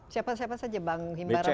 siapa siapa saja bang himbara